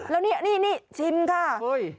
แล้วนี่ชิมค่ะ